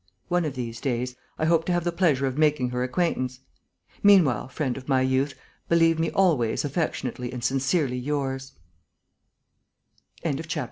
"One of these days, I hope to have the pleasure of making her acquaintance. "Meanwhile, friend of my youth, believe me always affectionately and sincerely yours, "ARSÈNE LUPIN."